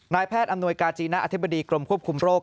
แพทย์อำนวยกาจีนะอธิบดีกรมควบคุมโรค